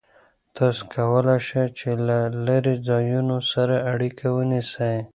تاسو کولای شئ چې له لرې ځایونو سره اړیکه ونیسئ.